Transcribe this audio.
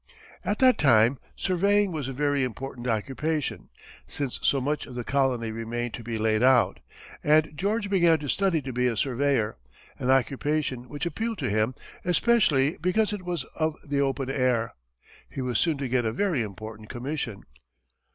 At that time, surveying was a very important occupation, since so much of the colony remained to be laid out, and George began to study to be a surveyor, an occupation which appealed to him especially because it was of the open air. He was soon to get a very important commission.